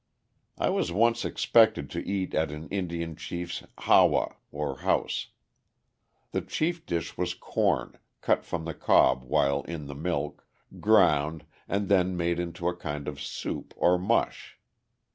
I was once expected to eat at an Indian chief's hawa, or house. The chief dish was corn, cut from the cob while in the milk, ground, and then made into a kind of soup or mush.